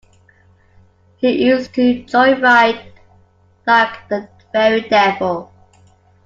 You used to joyride like the very devil.